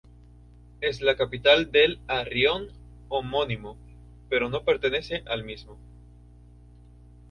Es la capital del raión homónimo, pero no pertenece al mismo.